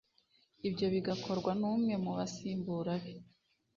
Ibyo bigakorwa n’umwe mu basimbura be